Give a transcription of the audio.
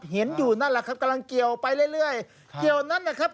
เห็นอยู่นั่นแหละครับกำลังเกี่ยวไปเรื่อยเรื่อยเกี่ยวนั้นนะครับ